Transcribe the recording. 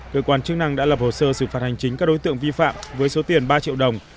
cơ quan chức năng đã lập hồ sơ xử phạt hành chính các đối tượng vi phạm với số tiền ba triệu đồng